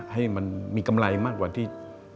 ให้มันมีกำไรมากกว่าที่